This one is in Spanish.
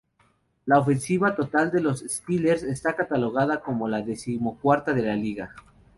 La ofensiva total de los Steelers está catalogada como la decimocuarta de la liga.